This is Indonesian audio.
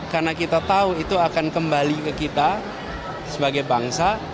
karena kita tahu itu akan kembali ke kita sebagai bangsa